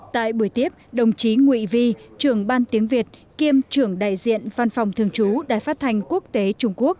tại buổi tiếp đồng chí nguyễn vy trưởng ban tiếng việt kiêm trưởng đại diện văn phòng thường chú đài phát thanh quốc tế trung quốc